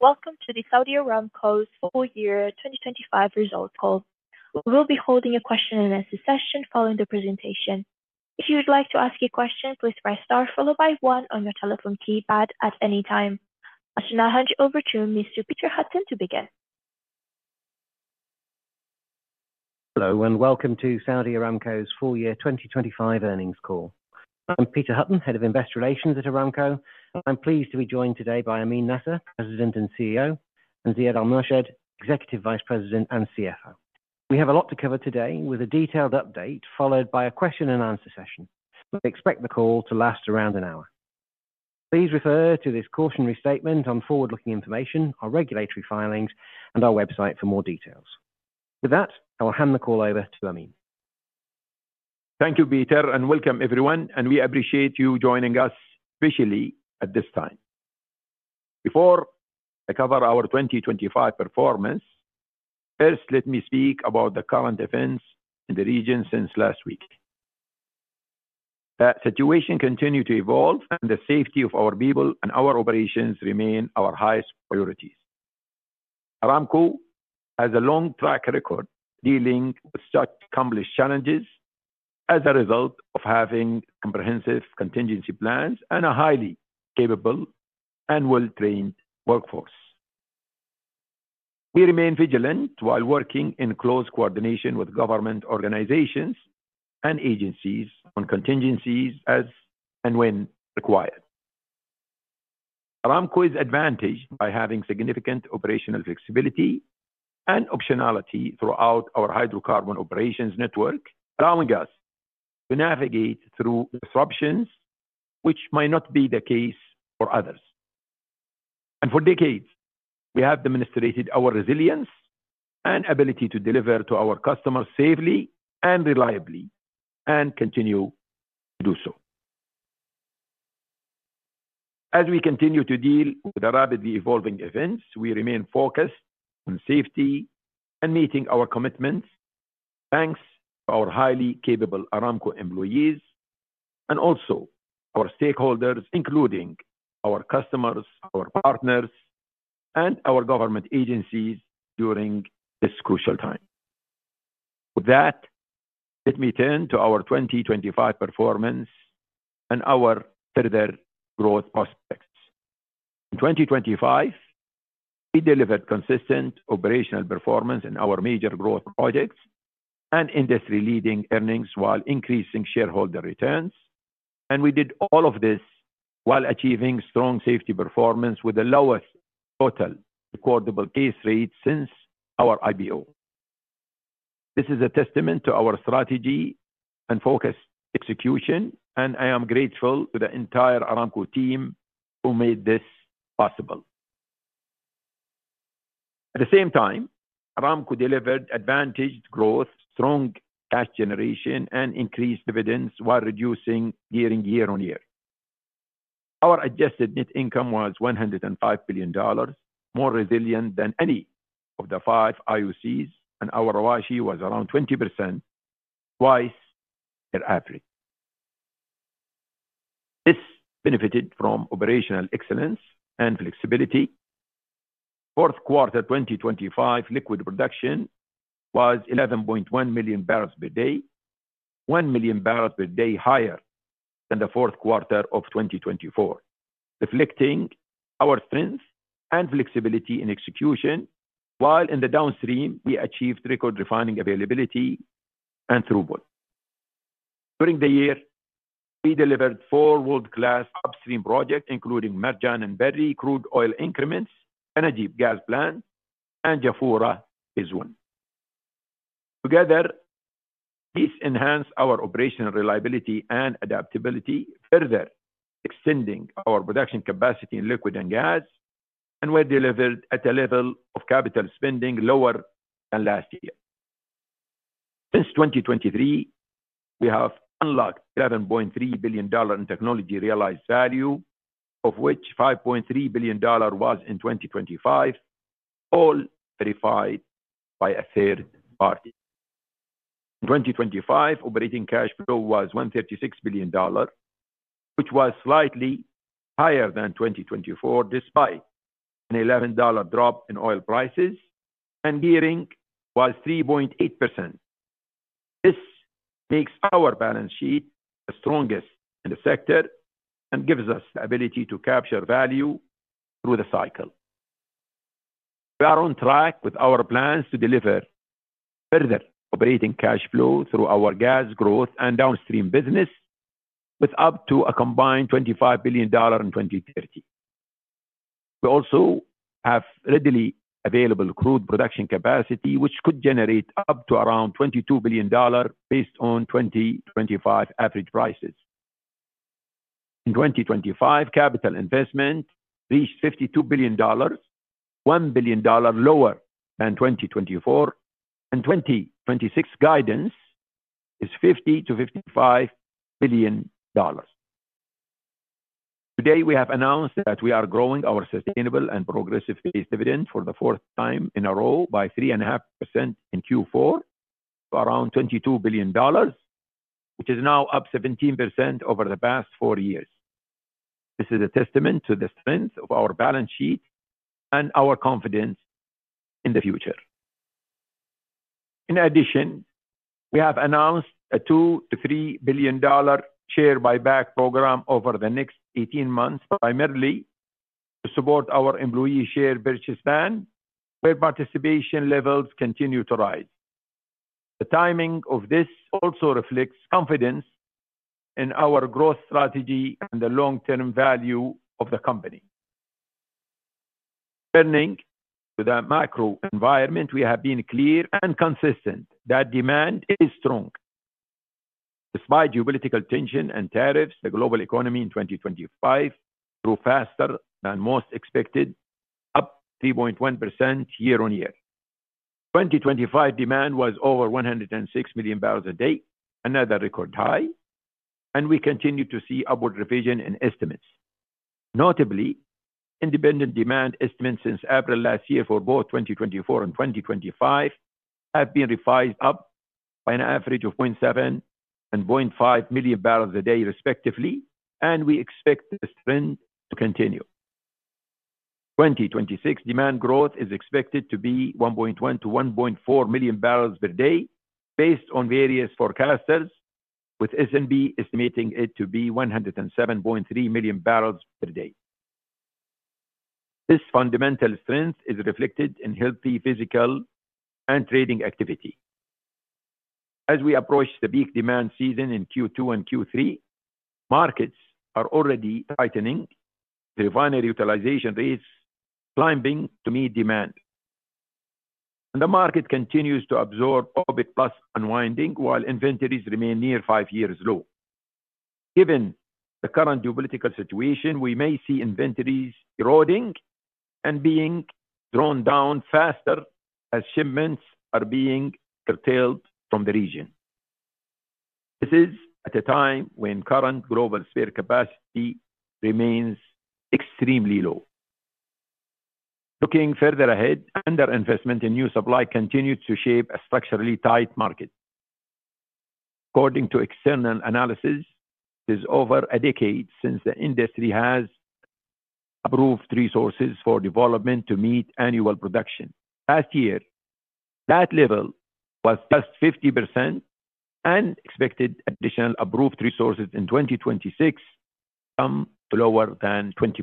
Welcome to the Saudi Aramco's full year 2025 results call. We'll be holding a question and answer session following the presentation. If you would like to ask a question, please press star followed by one on your telephone keypad at any time. I should now hand you over to Mr. Peter Hutton to begin. Hello, and welcome to Saudi Aramco's full year 2025 earnings call. I'm Peter Hutton, Head of Investor Relations at Aramco. I'm pleased to be joined today by Amin Nasser, President and CEO, and Ziad Al-Murshed, Executive Vice President and CFO. We have a lot to cover today with a detailed update followed by a question and answer session. We expect the call to last around an hour. Please refer to this cautionary statement on forward-looking information, our regulatory filings, and our website for more details. With that, I will hand the call over to Amin. Thank you, Peter, and welcome everyone, and we appreciate you joining us, especially at this time. Before I cover our 2025 performance, first, let me speak about the current events in the region since last week. The situation continues to evolve and the safety of our people and our operations remain our highest priorities. Aramco has a long track record dealing with such complex challenges as a result of having comprehensive contingency plans and a highly capable and well-trained workforce. We remain vigilant while working in close coordination with government organizations and agencies on contingencies as and when required. Aramco is advantaged by having significant operational flexibility and optionality throughout our hydrocarbon operations network, allowing us to navigate through disruptions, which might not be the case for others. For decades, we have demonstrated our resilience and ability to deliver to our customers safely and reliably, and continue to do so. As we continue to deal with the rapidly evolving events, we remain focused on safety and meeting our commitments. Thanks to our highly capable Aramco employees and also our stakeholders, including our customers, our partners, and our government agencies during this crucial time. With that, let me turn to our 2025 performance and our further growth prospects. In 2025, we delivered consistent operational performance in our major growth projects and industry-leading earnings while increasing shareholder returns. We did all of this while achieving strong safety performance with the lowest total recordable case rate since our IPO. This is a testament to our strategy and focused execution, and I am grateful to the entire Aramco team who made this possible. At the same time, Aramco delivered advantaged growth, strong cash generation, and increased dividends while reducing gearing year-on-year. Our adjusted net income was $105 billion, more resilient than any of the five IOCs, and our ROACE was around 20%, twice their average. This benefited from operational excellence and flexibility. Fourth quarter 2025 liquid production was 11.1 MMbpd, 1 MMbpd higher than the fourth quarter of 2024, reflecting our strength and flexibility in execution. While in the downstream, we achieved record refining availability and throughput. During the year, we delivered four world-class upstream projects, including Marjan and Berri crude oil increments, Tanajib gas plant, and Jafurah Phase 1. Together, this enhanced our operational reliability and adaptability, further extending our production capacity in liquid and gas, and were delivered at a level of capital spending lower than last year. Since 2023, we have unlocked $11.3 billion in technology realized value, of which $5.3 billion was in 2025, all verified by a third party. In 2025, operating cash flow was $136 billion, which was slightly higher than 2024, despite an $11 drop in oil prices, and gearing was 3.8%. This makes our balance sheet the strongest in the sector and gives us the ability to capture value through the cycle. We are on track with our plans to deliver further operating cash flow through our gas growth and downstream business with up to a combined $25 billion in 2030. We also have readily available crude production capacity, which could generate up to around $22 billion based on 2025 average prices. In 2025, capital investment reached $52 billion, $1 billion lower than 2024, and 2026 guidance is $50 billion-$55 billion. Today, we have announced that we are growing our sustainable and progressive base dividend for the fourth time in a row by 3.5% in Q4 to around $22 billion. Which is now up 17% over the past four years. This is a testament to the strength of our balance sheet and our confidence in the future. In addition, we have announced a $2 billion-$3 billion share buyback program over the next 18 months, primarily to support our employee share purchase plan, where participation levels continue to rise. The timing of this also reflects confidence in our growth strategy and the long-term value of the company. Turning to the macro environment, we have been clear and consistent that demand is strong. Despite geopolitical tension and tariffs, the global economy in 2025 grew faster than most expected, up 3.1% year-on-year. Twenty twenty-five demand was over 106 MMbpd, another record high, and we continue to see upward revision in estimates. Notably, independent demand estimates since April last year for both 2024 and 2025 have been revised up by an average of 0.7 MMbpd and 0.5 MMbpd respectively, and we expect this trend to continue. Twenty twenty-six demand growth is expected to be 1.1 MMbpd-1.4 MMbpd based on various forecasters, with SNB estimating it to be 107.3 MMbpd. This fundamental strength is reflected in healthy physical and trading activity. As we approach the peak demand season in Q2 and Q3, markets are already tightening. Refinery utilization rates climbing to meet demand. The market continues to absorb OPEC+ unwinding while inventories remain near five-year low. Given the current geopolitical situation, we may see inventories eroding and being drawn down faster as shipments are being curtailed from the region. This is at a time when current global spare capacity remains extremely low. Looking further ahead, underinvestment in new supply continues to shape a structurally tight market. According to external analysis, it is over a decade since the industry has approved resources for development to meet annual production. Last year, that level was just 50% and expected additional approved resources in 2026 come to lower than 20%.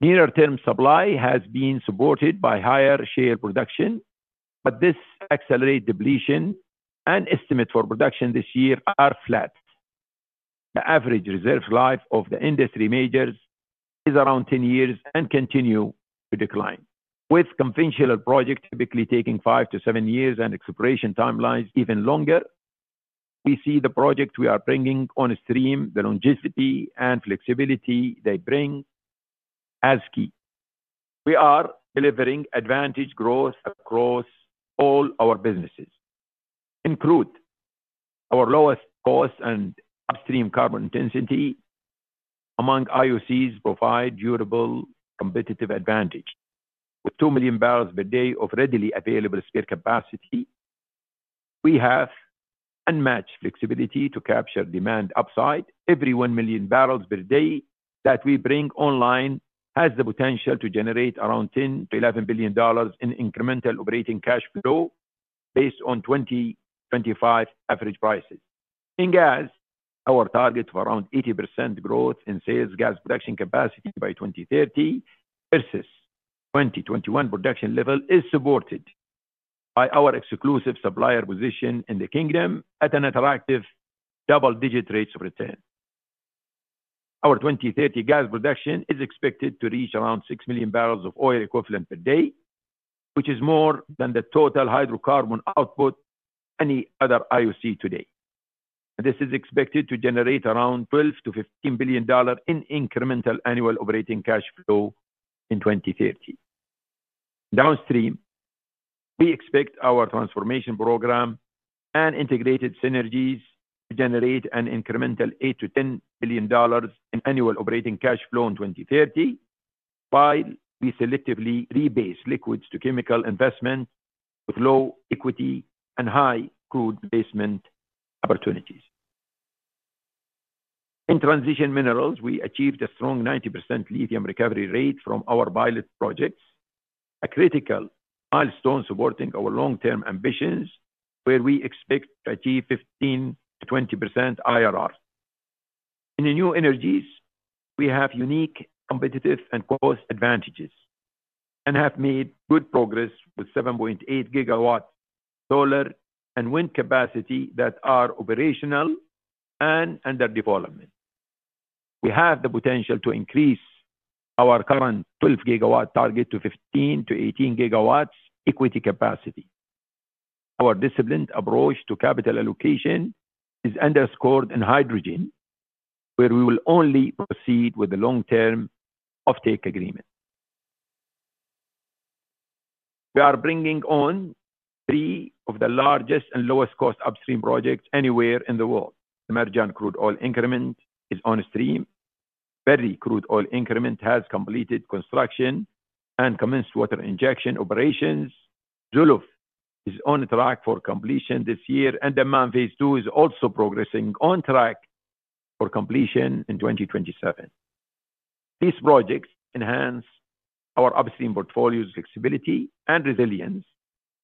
Nearer-term supply has been supported by higher shale production, but this accelerates depletion and estimates for production this year are flat. The average reserve life of the industry majors is around 10 years and continues to decline. With conventional projects typically taking five to seven years and exploration timelines even longer. We see the projects we are bringing on stream, the longevity and flexibility they bring as key. We are delivering advantaged growth across all our businesses. Including our lowest cost and upstream carbon intensity among IOCs provides durable competitive advantage. With 2 MMbpd of readily available spare capacity, we have unmatched flexibility to capture demand upside. Every 1 MMbpd that we bring online has the potential to generate around $10 billion-$11 billion in incremental operating cash flow based on 2025 average prices. In gas, our target of around 80% growth in sales gas production capacity by 2030 versus 2021 production level is supported by our exclusive supplier position in the Kingdom at an attractive double-digit rates of return. Our 2030 gas production is expected to reach around 6 MMboepd, which is more than the total hydrocarbon output any other IOC today. This is expected to generate around $12 billion-$15 billion in incremental annual operating cash flow in 2030. Downstream, we expect our transformation program and integrated synergies to generate an incremental $8 billion-$10 billion in annual operating cash flow in 2030 while we selectively rebase liquids to chemical investment with low equity and high crude placement opportunities. In transition minerals, we achieved a strong 90% lithium recovery rate from our pilot projects, a critical milestone supporting our long-term ambitions, where we expect to achieve 15%-20% IRRs. In the new energies, we have unique competitive and cost advantages and have made good progress with 7.8 GW solar and wind capacity that are operational and under development. We have the potential to increase our current 12-GW target to 15 GW-18 GW equity capacity. Our disciplined approach to capital allocation is underscored in hydrogen, where we will only proceed with the long-term offtake agreement. We are bringing on three of the largest and lowest cost upstream projects anywhere in the world. The Marjan crude oil increment is on stream. Berri crude oil increment has completed construction and commenced water injection operations. Zuluf is on track for completion this year, and the Dammam Phase 2 is also progressing on track for completion in 2027. These projects enhance our upstream portfolio's flexibility and resilience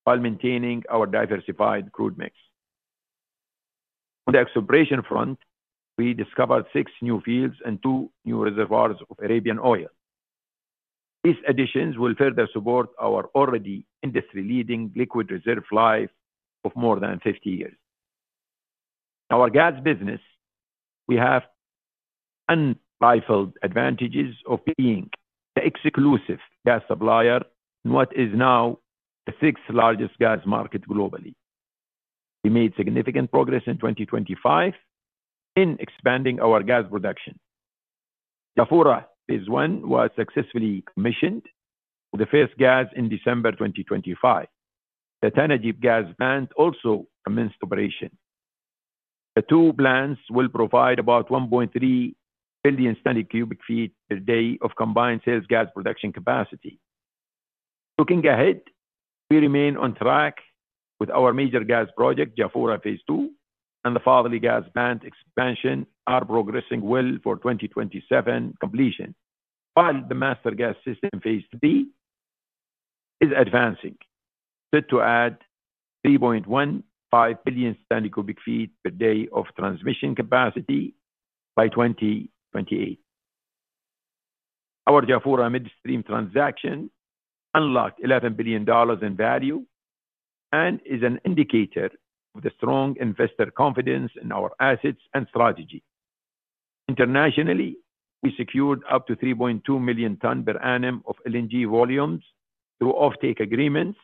while maintaining our diversified crude mix. On the exploration front, we discovered six new fields and two new reservoirs of Arabian oil. These additions will further support our already industry-leading liquid reserve life of more than 50 years. In our gas business, we have unrivaled advantages of being the exclusive gas supplier in what is now the sixth-largest gas market globally. We made significant progress in 2025 in expanding our gas production. Jafurah Phase 2 was successfully commissioned with the first gas in December 2025. The Tanajib gas plant also commenced operation. The two plants will provide about 1.3 billion scfd of combined sales gas production capacity. Looking ahead, we remain on track with our major gas project. Jafurah Phase 2 and the Fadhili gas plant expansion are progressing well for 2027 completion, while the Master Gas System Phase 3 is advancing, set to add 3.15 billion scfd of transmission capacity by 2028. Our Jafurah midstream transaction unlocked $11 billion in value and is an indicator of the strong investor confidence in our assets and strategy. Internationally, we secured up to 3.2 mtpa of LNG volumes through offtake agreements,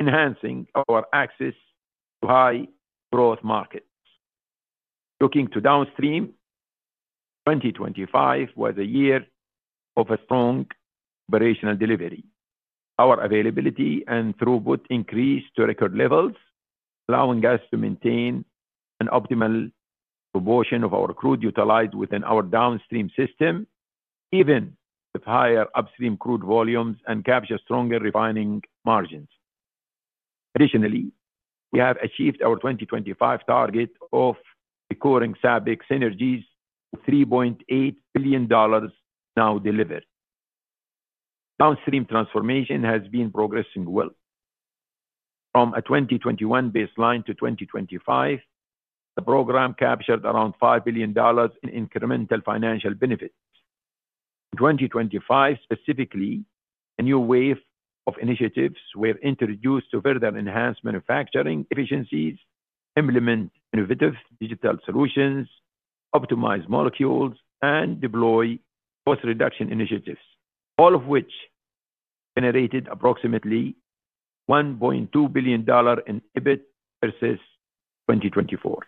enhancing our access to high-growth markets. Looking to downstream, 2025 was a year of a strong operational delivery. Our availability and throughput increased to record levels, allowing us to maintain an optimal proportion of our crude utilized within our downstream system, even with higher upstream crude volumes and capture stronger refining margins. Additionally, we have achieved our 2025 target of securing SABIC synergies, $3.8 billion now delivered. Downstream transformation has been progressing well. From a 2021 baseline to 2025, the program captured around $5 billion in incremental financial benefits. In 2025 specifically, a new wave of initiatives were introduced to further enhance manufacturing efficiencies, implement innovative digital solutions, optimize molecules, and deploy cost reduction initiatives, all of which generated approximately $1.2 billion in EBIT versus 2024.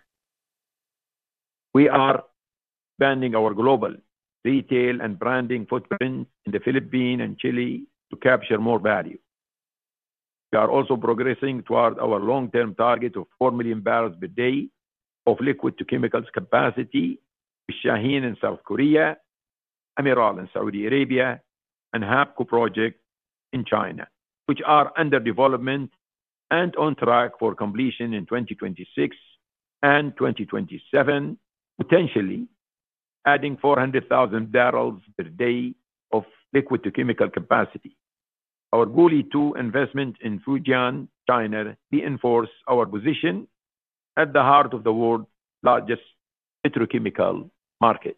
We are expanding our global retail and branding footprint in the Philippines and Chile to capture more value. We are also progressing toward our long-term target of 4 MMbpd of liquid to chemicals capacity with Shaheen in South Korea, Amiral in Saudi Arabia, and HAPCO project in China, which are under development and on track for completion in 2026 and 2027, potentially adding 400,000 barrels per day of liquid to chemical capacity. Our Gulei Phase 2 investment in Fujian, China reinforce our position at the heart of the world's largest petrochemical market.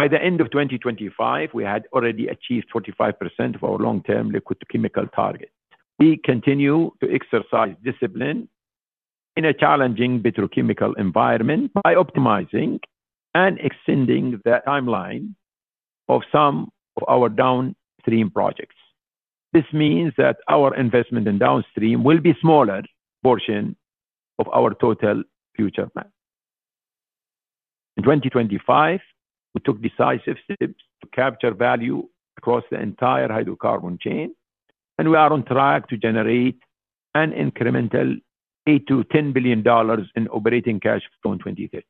By the end of 2025, we had already achieved 45% of our long-term liquid to chemical target. We continue to exercise discipline in a challenging petrochemical environment by optimizing and extending the timeline of some of our downstream projects. This means that our investment in downstream will be smaller portion of our total future plan. In 2025, we took decisive steps to capture value across the entire hydrocarbon chain, and we are on track to generate an incremental $8 billion-$10 billion in operating cash flow in 2030.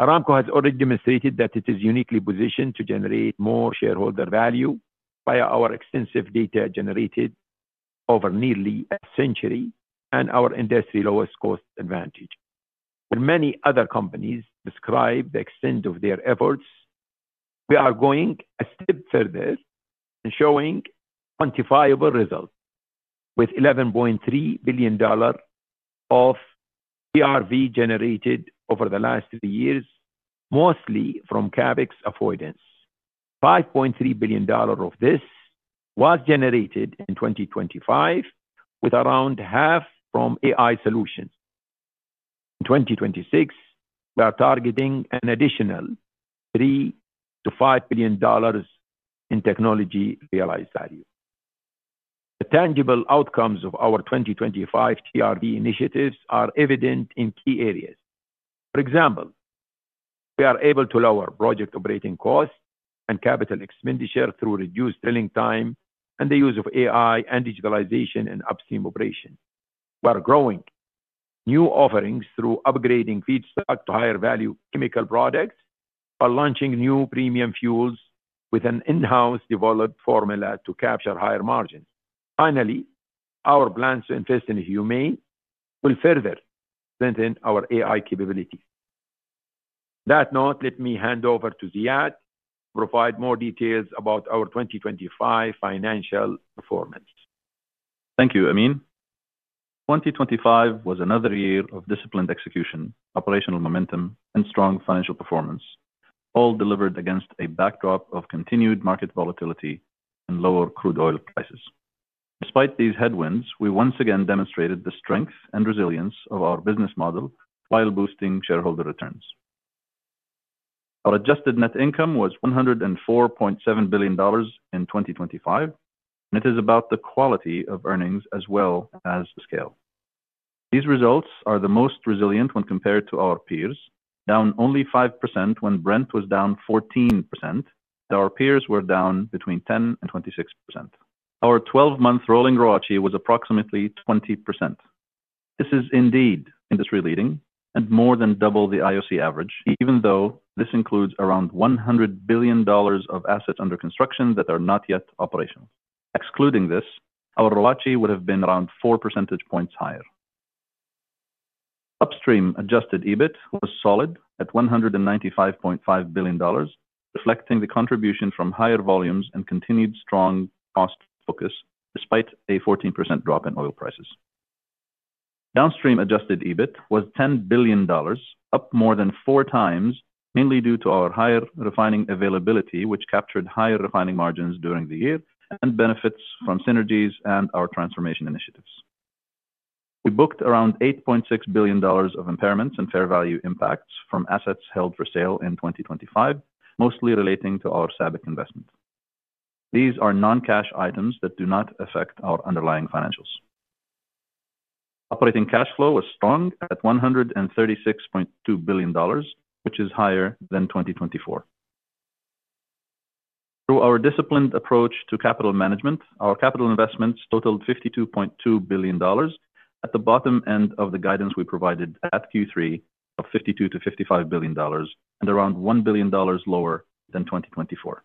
Aramco has already demonstrated that it is uniquely positioned to generate more shareholder value via our extensive data generated over nearly a century and our industry lowest cost advantage. While many other companies describe the extent of their efforts, we are going a step further in showing quantifiable results with $11.3 billion of TRV generated over the last three years, mostly from CapEx avoidance. $5.3 billion of this was generated in 2025, with around half from AI solutions. In 2026, we are targeting an additional $3 billion-$5 billion in technology realized value. The tangible outcomes of our 2025 TRV initiatives are evident in key areas. For example, we are able to lower project operating costs and capital expenditure through reduced drilling time and the use of AI and digitalization in upstream operations. We are growing new offerings through upgrading feedstock to higher-value chemical products and launching new premium fuels with an in-house developed formula to capture higher margins. Finally, our plans to invest in HUMAIN will further strengthen our AI capability. On that note, let me hand over to Ziad to provide more details about our 2025 financial performance. Thank you, Amin Nasser. Twenty twenty-five was another year of disciplined execution, operational momentum, and strong financial performance, all delivered against a backdrop of continued market volatility and lower crude oil prices. Despite these headwinds, we once again demonstrated the strength and resilience of our business model while boosting shareholder returns. Our adjusted net income was $104.7 billion in 2025, and it is about the quality of earnings as well as the scale. These results are the most resilient when compared to our peers, down only 5% when Brent was down 14%, though our peers were down between 10% and 26%. Our 12-month rolling ROACE was approximately 20%. This is indeed industry-leading and more than double the IOC average, even though this includes around $100 billion of assets under construction that are not yet operational. Excluding this, our ROACE would have been around 4 percentage points higher. Upstream adjusted EBIT was solid at $195.5 billion, reflecting the contribution from higher volumes and continued strong cost focus despite a 14% drop in oil prices. Downstream adjusted EBIT was $10 billion, up more than 4x, mainly due to our higher refining availability, which captured higher refining margins during the year and benefits from synergies and our transformation initiatives. We booked around $8.6 billion of impairments and fair value impacts from assets held for sale in 2025, mostly relating to our SABIC investment. These are non-cash items that do not affect our underlying financials. Operating cash flow was strong at $136.2 billion, which is higher than 2024. Through our disciplined approach to capital management, our capital investments totaled $52.2 billion at the bottom end of the guidance we provided at Q3 of $52 billion-$55 billion and around $1 billion lower than 2024.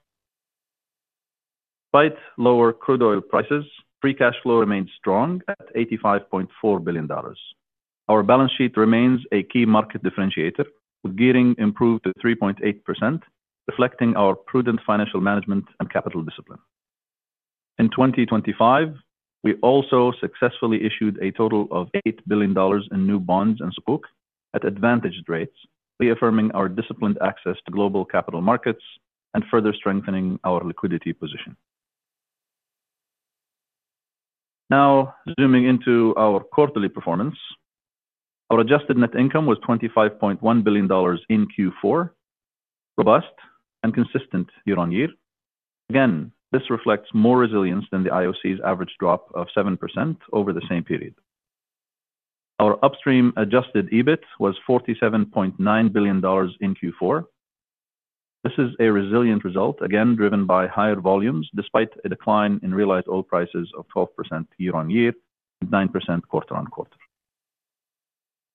Despite lower crude oil prices, free cash flow remains strong at $85.4 billion. Our balance sheet remains a key market differentiator, with gearing improved to 3.8%, reflecting our prudent financial management and capital discipline. In 2025, we also successfully issued a total of $8 billion in new bonds and Sukuk at advantaged rates, reaffirming our disciplined access to global capital markets and further strengthening our liquidity position. Now, zooming into our quarterly performance. Our adjusted net income was $25.1 billion in Q4, robust and consistent year-on-year. Again, this reflects more resilience than the IOCs' average drop of 7% over the same period. Our Upstream adjusted EBIT was $47.9 billion in Q4. This is a resilient result, again, driven by higher volumes despite a decline in realized oil prices of 12% year-on-year and 9% quarter-on-quarter.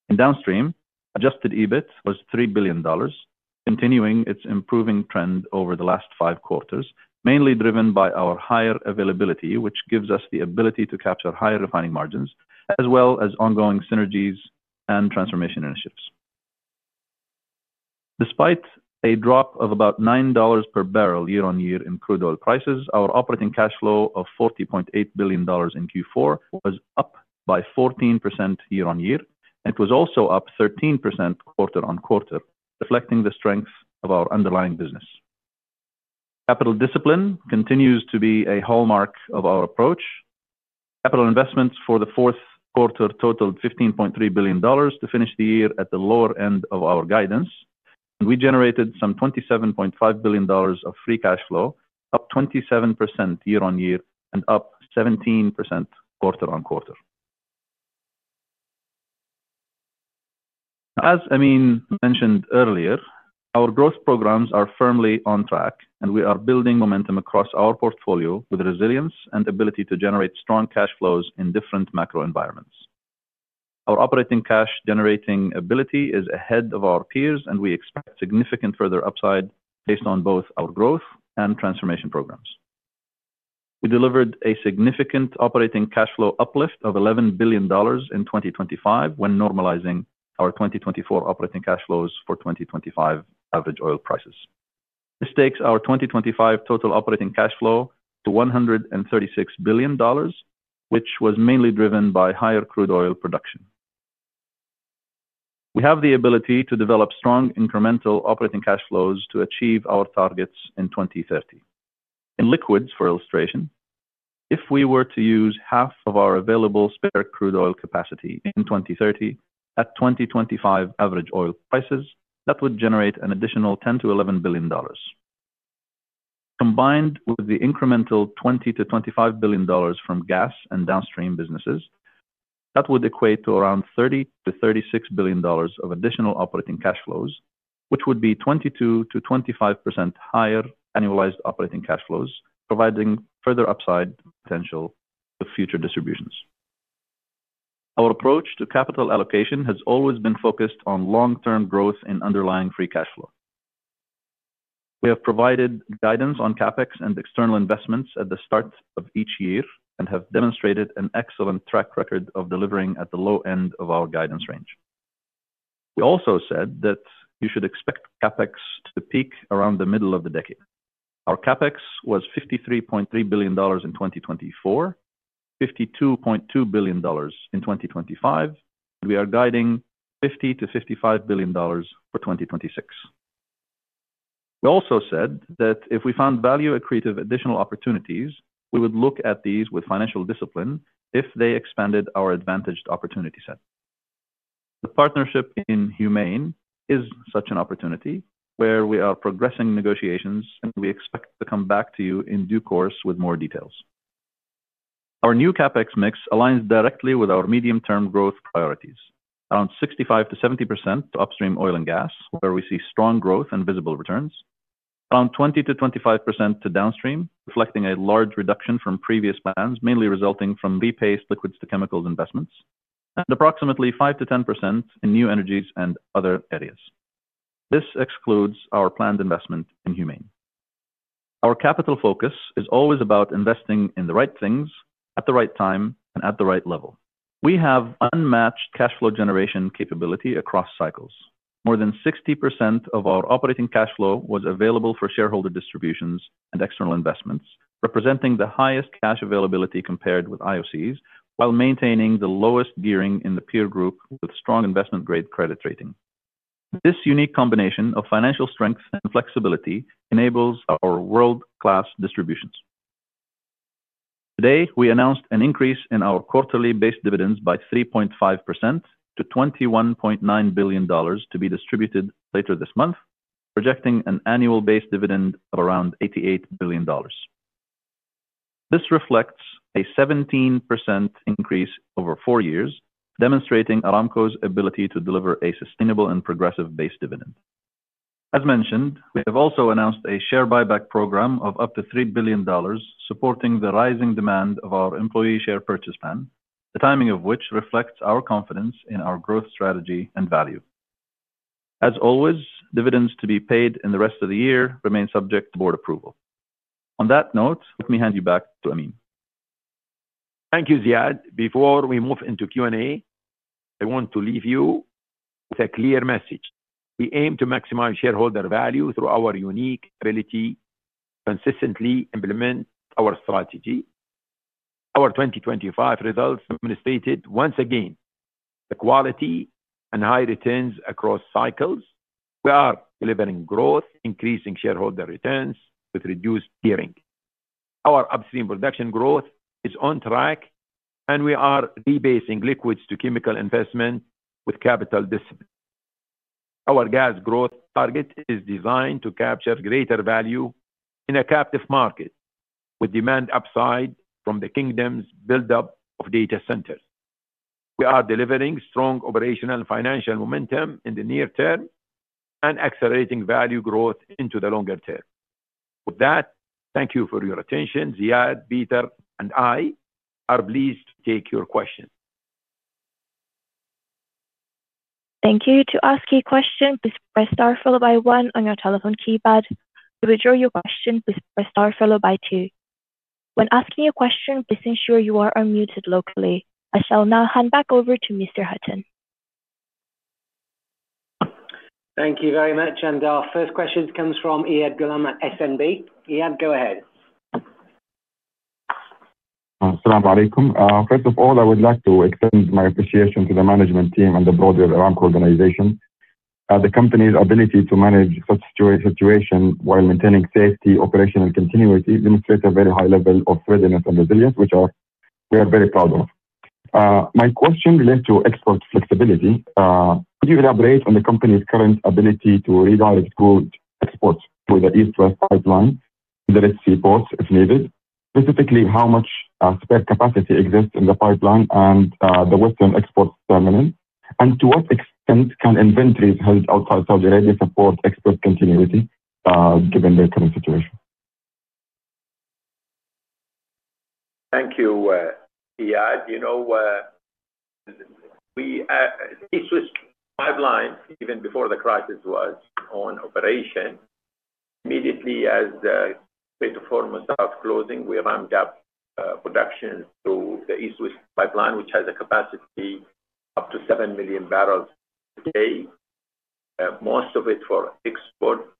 In Downstream, adjusted EBIT was $3 billion, continuing its improving trend over the last five quarters, mainly driven by our higher availability, which gives us the ability to capture higher refining margins as well as ongoing synergies and transformation initiatives. Despite a drop of about $9 per barrel year-on-year in crude oil prices, our operating cash flow of $40.8 billion in Q4 was up by 14% year-on-year, and it was also up 13% quarter-on-quarter, reflecting the strength of our underlying business. Capital discipline continues to be a hallmark of our approach. Capital investments for the fourth quarter totaled $15.3 billion to finish the year at the lower end of our guidance. We generated some $27.5 billion of free cash flow, up 27% year-on-year and up 17% quarter-on-quarter. As Amin mentioned earlier, our growth programs are firmly on track, and we are building momentum across our portfolio with resilience and ability to generate strong cash flows in different macro environments. Our operating cash generating ability is ahead of our peers, and we expect significant further upside based on both our growth and transformation programs. We delivered a significant operating cash flow uplift of $11 billion in 2025 when normalizing our 2024 operating cash flows for 2025 average oil prices. This takes our 2025 total operating cash flow to $136 billion, which was mainly driven by higher crude oil production. We have the ability to develop strong incremental operating cash flows to achieve our targets in 2030. In liquids, for illustration, if we were to use half of our available spare crude oil capacity in 2030 at 2025 average oil prices, that would generate an additional $10 billion-$11 billion. Combined with the incremental $20 billion-$25 billion from gas and downstream businesses, that would equate to around $30 billion-$36 billion of additional operating cash flows, which would be 22%-25% higher annualized operating cash flows, providing further upside potential for future distributions. Our approach to capital allocation has always been focused on long-term growth in underlying free cash flow. We have provided guidance on CapEx and external investments at the start of each year and have demonstrated an excellent track record of delivering at the low end of our guidance range. We also said that you should expect CapEx to peak around the middle of the decade. Our CapEx was $53.3 billion in 2024, $52.2 billion in 2025, and we are guiding $50 billion-$55 billion for 2026. We also said that if we found value-accretive additional opportunities, we would look at these with financial discipline if they expanded our advantaged opportunity set. The partnership in HUMAIN is such an opportunity where we are progressing negotiations, and we expect to come back to you in due course with more details. Our new CapEx mix aligns directly with our medium-term growth priorities. Around 65%-70% to Upstream oil and gas, where we see strong growth and visible returns. Around 20%-25% to Downstream, reflecting a large reduction from previous plans, mainly resulting from rephased liquids to chemicals investments. Approximately 5%-10% in new energies and other areas. This excludes our planned investment in HUMAIN. Our capital focus is always about investing in the right things at the right time and at the right level. We have unmatched cash flow generation capability across cycles. More than 60% of our operating cash flow was available for shareholder distributions and external investments, representing the highest cash availability compared with IOCs while maintaining the lowest gearing in the peer group with strong investment-grade credit rating. This unique combination of financial strength and flexibility enables our world-class distributions. Today, we announced an increase in our quarterly base dividends by 3.5% to $21.9 billion to be distributed later this month, projecting an annual base dividend of around $88 billion. This reflects a 17% increase over four years, demonstrating Aramco's ability to deliver a sustainable and progressive base dividend. As mentioned, we have also announced a share buyback program of up to $3 billion, supporting the rising demand of our employee share purchase plan, the timing of which reflects our confidence in our growth strategy and value. As always, dividends to be paid in the rest of the year remain subject to board approval. On that note, let me hand you back to Amin. Thank you, Ziad. Before we move into Q&A, I want to leave you with a clear message. We aim to maximize shareholder value through our unique ability to consistently implement our strategy. Our 2025 results demonstrated once again the quality and high returns across cycles. We are delivering growth, increasing shareholder returns with reduced gearing. Our upstream production growth is on track, and we are rephasing liquids to chemical investment with capital discipline. Our gas growth target is designed to capture greater value in a captive market with demand upside from the Kingdom's buildup of data centers. We are delivering strong operational and financial momentum in the near term and accelerating value growth into the longer term. With that, thank you for your attention. Ziad, Peter, and I are pleased to take your questions. Thank you. To ask a question, please press star followed by one on your telephone keypad. To withdraw your question, please press star followed by two. When asking a question, please ensure you are unmuted locally. I shall now hand back over to Mr. Hutton. Thank you very much. Our first question comes from Iyad Ghulam at SNB. Iyad, go ahead. As-salamu alaykum. First of all, I would like to extend my appreciation to the management team and the broader Aramco organization. The company's ability to manage such situation while maintaining safety, operational continuity demonstrates a very high level of readiness and resilience, which we are very proud of. My question relates to export flexibility. Could you elaborate on the company's current ability to redirect crude exports to the East-West Pipeline and the Red Sea ports if needed? Specifically, how much spare capacity exists in the pipeline and the western export terminal? And to what extent can inventories held outside Saudi Arabia support export continuity, given the current situation? Thank you, Iyad. You know, we—East-West Pipeline, even before the crisis, was in operation. Immediately as the ports were starting to close, we ramped up production through the East-West Pipeline, which has a capacity up to 7 MMbpd, most of it for export.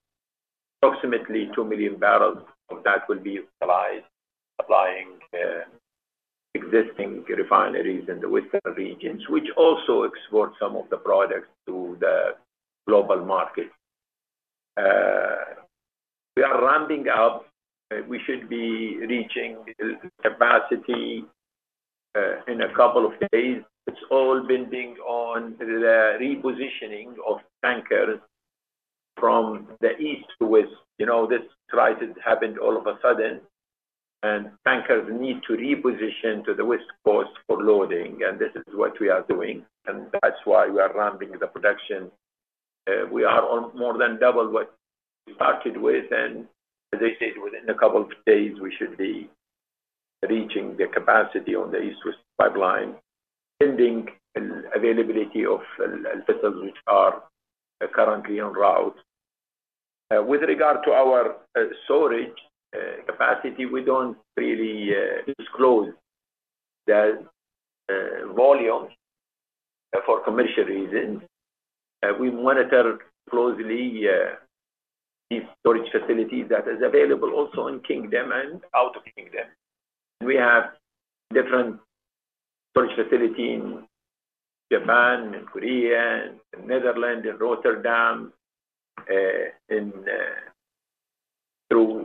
Approximately 2 million barrels of that will be utilized supplying existing refineries in the western regions, which also export some of the products to the global market. We are ramping up. We should be reaching capacity in a couple of days. It's all building on the repositioning of tankers from the east to west. You know, this crisis happened all of a sudden. Tankers need to reposition to the West Coast for loading, and this is what we are doing, and that's why we are ramping the production. We are on more than double what we started with. As I said, within a couple of days, we should be reaching the capacity on the East-West Pipeline, pending an availability of vessels which are currently en route. With regard to our storage capacity, we don't really disclose the volumes for commercial reasons. We monitor closely the storage facilities that is available also in Kingdom and out of the Kingdom. We have different storage facilities in Japan, in Korea, in Netherlands, in Rotterdam, through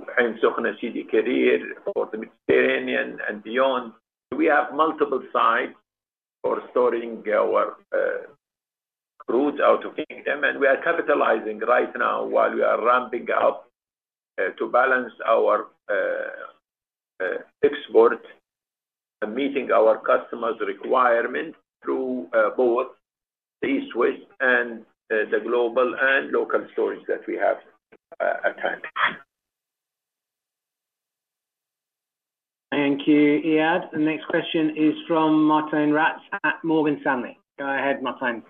for the Mediterranean and beyond. We have multiple sites for storing our crudes out of Kingdom, and we are capitalizing right now while we are ramping up to balance our export and meeting our customers' requirement through both the East-West and the global and local storage that we have at hand. Thank you, Iyad. The next question is from Martijn Rats at Morgan Stanley. Go ahead, Martijn.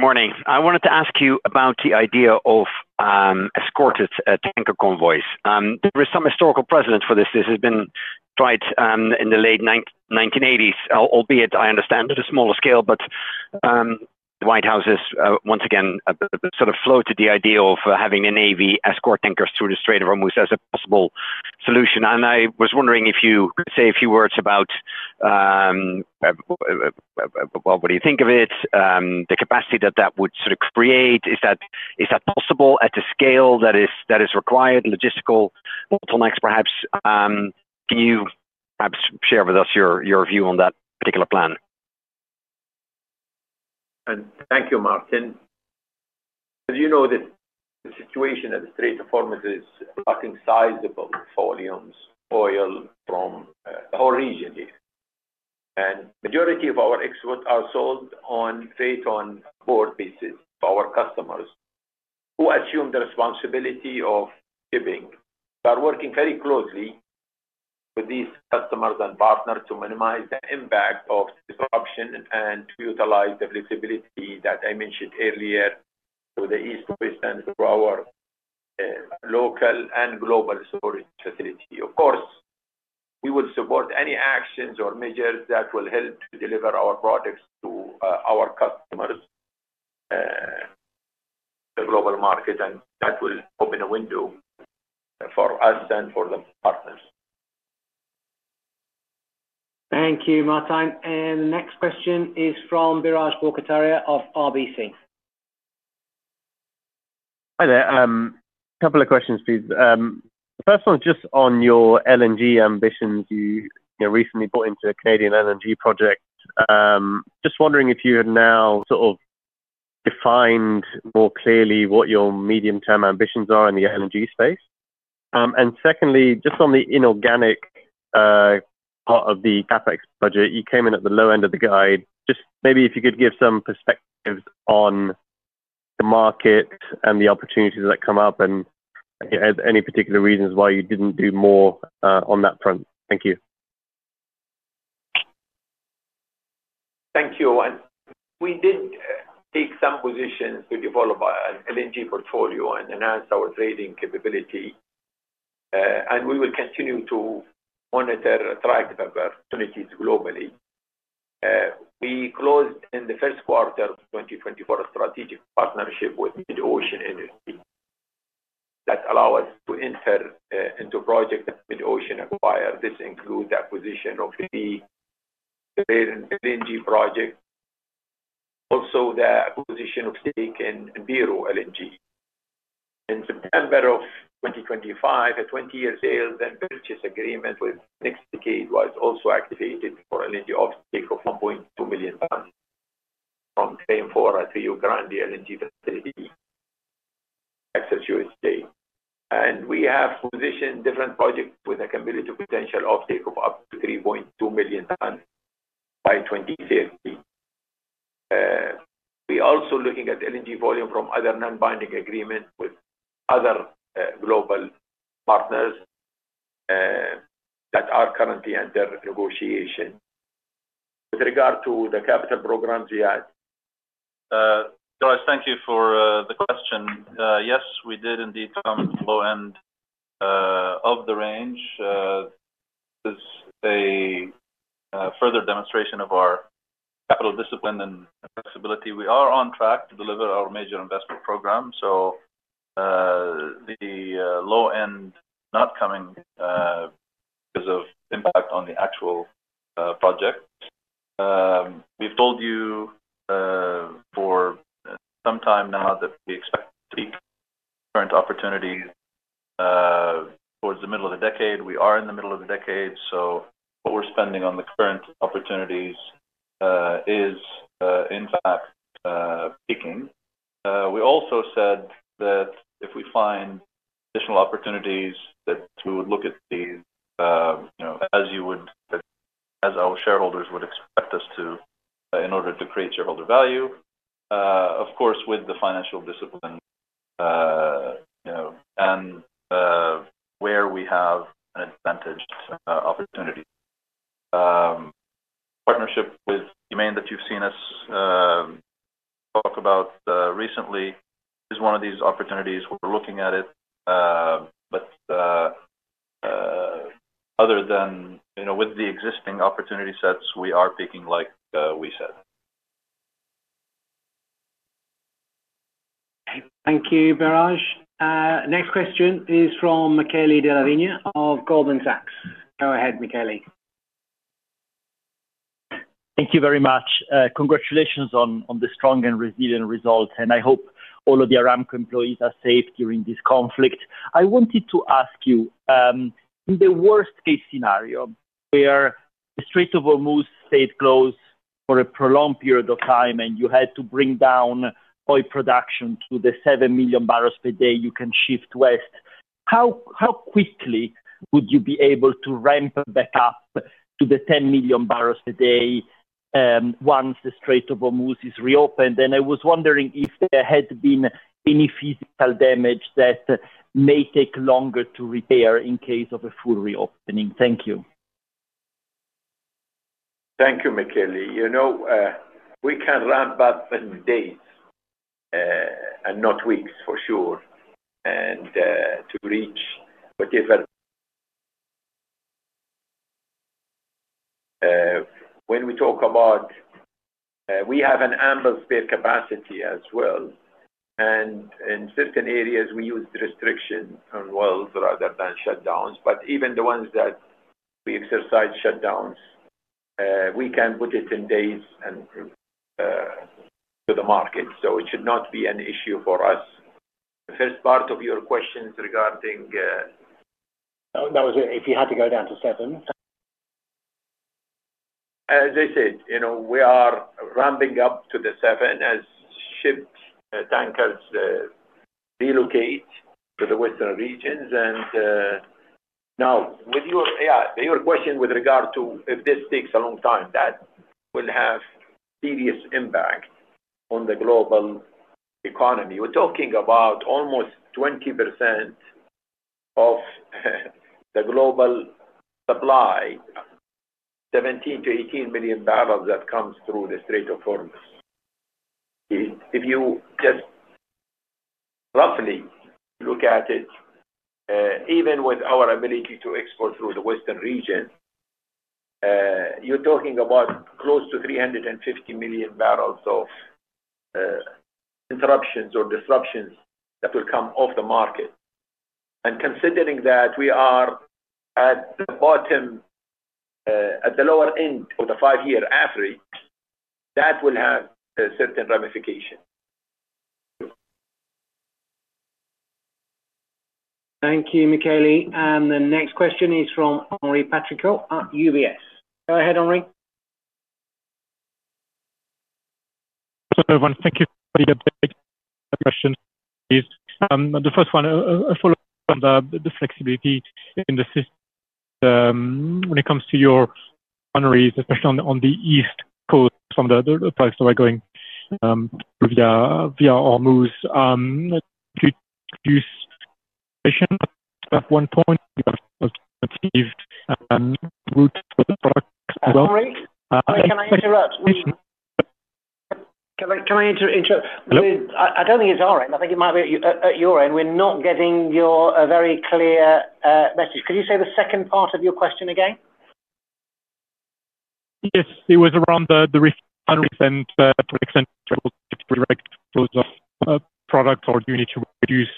Morning. I wanted to ask you about the idea of escorted tanker convoys. There is some historical precedent for this. This has been tried in the late 1980s, albeit I understand at a smaller scale. The White House has once again sort of floated the idea of having a Navy escort tankers through the Strait of Hormuz as a possible solution. I was wondering if you could say a few words about well, what do you think of it, the capacity that that would sort of create. Is that possible at the scale that is required logistical tonnages perhaps? Can you perhaps share with us your view on that particular plan? Thank you, Martijn. As you know, the situation at the Strait of Hormuz is blocking sizable volumes of oil from the whole region here. Majority of our exports are sold on freight-on-board basis to our customers who assume the responsibility of shipping. We are working very closely with these customers and partners to minimize the impact of disruption and to utilize the flexibility that I mentioned earlier through the East-West and through our local and global storage facility. Of course, we will support any actions or measures that will help to deliver our products to our customers, the global market, and that will open a window for us and for the partners. Thank you, Martijn. The next question is from Biraj Borkhataria of RBC. Hi there. A couple of questions, please. The first one just on your LNG ambitions. You know, recently bought into a Canadian LNG project. Just wondering if you have now sort of defined more clearly what your medium-term ambitions are in the LNG space. Secondly, just on the inorganic part of the CapEx budget, you came in at the low end of the guide. Just maybe if you could give some perspectives on the market and the opportunities that come up and any particular reasons why you didn't do more on that front. Thank you. Thank you. We did take some positions to develop our LNG portfolio and enhance our trading capability. We will continue to monitor attractive opportunities globally. We closed in the first quarter of 2024 a strategic partnership with MidOcean Energy that allow us to enter into projects that MidOcean acquire. This includes the acquisition of the Peru LNG project, also the acquisition of stake in [Envero] LNG. In September of 2025, a 20-year sales and purchase agreement with NextDecade was also activated for LNG offtake of 1.2 million tons from Train 4 Rio Grande LNG facility, Texas, USA. We have positioned different projects with a cumulative potential offtake of up to 3.2 million tons by 2030. We also looking at LNG volume from other non-binding agreement with other global partners that are currently under negotiation. With regard to the capital programs, Ziad. Biraj, thank you for the question. Yes, we did indeed come at the low end of the range. This is a further demonstration of our capital discipline and flexibility. We are on track to deliver our major investment program. The low end not coming because of impact on the actual project. We've told you for some time now that we expect to see current opportunities. Towards the middle of the decade. We are in the middle of the decade, so what we're spending on the current opportunities is, in fact, peaking. We also said that if we find additional opportunities that we would look at these, you know, as our shareholders would expect us to, in order to create shareholder value, of course, with the financial discipline, you know, and where we have an advantaged opportunity. Partnership with HUMAIN that you've seen us talk about recently is one of these opportunities. We're looking at it. Other than, you know, with the existing opportunity sets, we are peaking like we said. Thank you, Biraj. Next question is from Michele Della Vigna of Goldman Sachs. Go ahead, Michele. Thank you very much. Congratulations on the strong and resilient result, and I hope all of the Aramco employees are safe during this conflict. I wanted to ask you, in the worst-case scenario, where the Strait of Hormuz stayed closed for a prolonged period of time, and you had to bring down oil production to the 7 MMbpd you can shift west, how quickly would you be able to ramp back up to the 10 MMbpd, once the Strait of Hormuz is reopened? I was wondering if there had been any physical damage that may take longer to repair in case of a full reopening. Thank you. Thank you, Michele. You know, we can ramp up in days, and not weeks for sure and, to reach whatever, when we talk about, we have an ample spare capacity as well, and in certain areas, we use restriction on wells rather than shutdowns. Even the ones that we exercise shutdowns, we can put it in days and, to the market, so it should not be an issue for us. The first part of your question regarding, That was it. If you had to go down to seven. As I said, you know, we are ramping up to the seven as ships, tankers, relocate to the western regions. Now with your question with regard to if this takes a long time, that will have serious impact on the global economy. We're talking about almost 20% of the global supply, 17 million-18 million barrels that comes through the Strait of Hormuz. If you just roughly look at it, even with our ability to export through the western region, you're talking about close to 350 million barrels of interruptions or disruptions that will come off the market. Considering that we are at the bottom, at the lower end of the five-year average, that will have a certain ramification. Thank you, Michele. The next question is from Henri Patricot at UBS. Go ahead, Henri. Everyone, thank you for the update. My question is the first one, a follow-up on the flexibility in the system when it comes to your refineries, especially on the East Coast from the places that are going via Hormuz to reduce, at one point achieve routes for the products as well. Henri, can I interrupt? Hello? Can I interrupt? Hello. I don't think it's our end. I think it might be at your end. We're not getting your very clear message. Could you say the second part of your question again? Yes. It was around the refineries and products and trouble directing flows of product or do you need to reduce